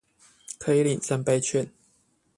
可以領三倍券